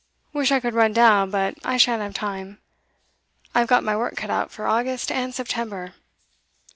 Wish I could run down, but I shan't have time. I've got my work cut out for August and September.